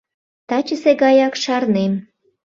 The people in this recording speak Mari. — Тачысе гаяк шарнем.